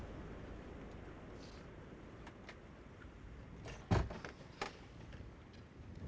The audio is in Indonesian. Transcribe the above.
pusimu mbak ambe ini